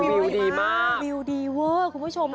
วิวดีมากมันดีว่าคุณผู้ชม